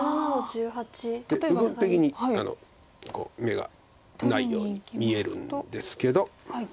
で部分的に眼がないように見えるんですけど。